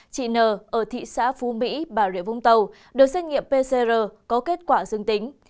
chị n ở thị xã phú mỹ bà rịa vũng tàu được xét nghiệm pcr có kết quả dương tính